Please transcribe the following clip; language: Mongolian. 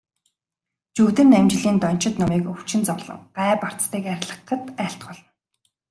Жүгдэрнамжилын дончид номыг өвчин зовлон, гай барцдыг арилгахад айлтгуулна.